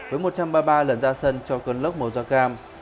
với một trăm ba mươi ba lần ra sân cho cơn lốc màu da cam